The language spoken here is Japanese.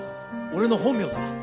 俺の本名だ。